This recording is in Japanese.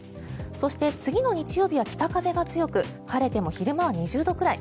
そして次の日曜日は北風が強く晴れても昼間は２０度くらい。